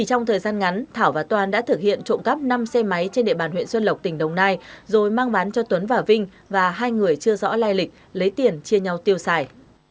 trong thời gian ngắn thảo và toàn đã thực hiện trộm cắp năm xe máy trên địa bàn huyện xuân lộc tỉnh đồng nai rồi mang bán cho tuấn và vinh và hai người chưa rõ lai lịch lấy tiền chia nhau tiêu xài